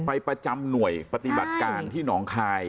ประจำหน่วยปฏิบัติการที่หนองคาย